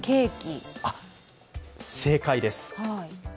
あっ、正解です。